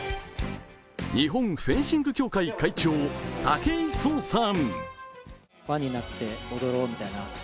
日本フェンシング協会会長、武井壮さん。